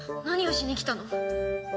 何をしに来たの？